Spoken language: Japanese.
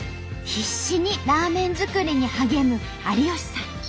必死にラーメン作りに励む有吉さん。